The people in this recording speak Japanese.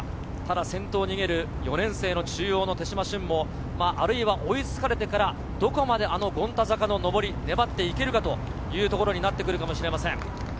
先頭を逃げる４年生の中央の手島駿も追いつかれてから、どこまであの権太坂の上りで粘っていけるかというところになってくるかもしれません。